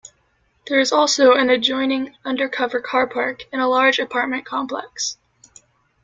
There is also an adjoining undercover carpark and a large apartment complex.